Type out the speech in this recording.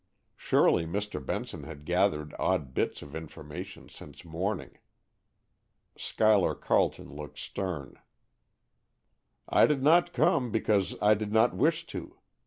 Surely Mr. Benson had gathered odd bits of information since morning. Schuyler Carleton looked stern. "I did not come because I did not wish to.